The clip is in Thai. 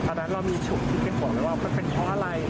เพราะฉะนั้นเรามีฉุกที่เขียนบอกเลยว่ามันเป็นเพราะอะไร